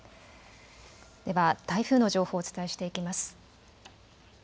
では台風の情報をお伝えしていきます。